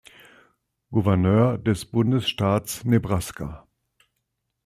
Gouverneur des Bundesstaats Nebraska.